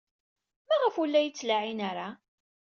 Maɣef ur la iyi-ttlaɛin ara?